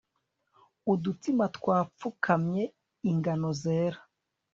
Udutsima twapfukamye ingano zera